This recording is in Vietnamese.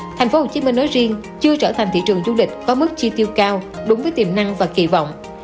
thành phố hồ chí minh nói riêng chưa trở thành thị trường du lịch có mức chi tiêu cao đúng với tiềm năng và kỳ vọng